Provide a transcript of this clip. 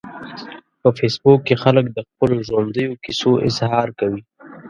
په فېسبوک کې خلک د خپلو ژوندیو کیسو اظهار کوي